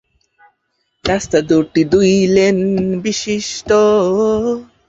রাস্তাটি দুই-লেন বিশিষ্ট।